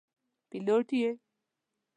پیلوټ یې.